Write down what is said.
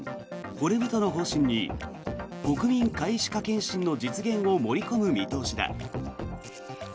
骨太の方針に国民皆歯科検診の実現を盛り込む見通しだ。